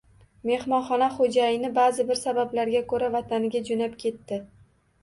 Mehmonxona xo`jayini ba`zi bir sabablarga ko`ra vataniga jo`nab ketdi